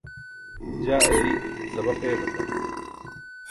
jaa eei sabaq eġatan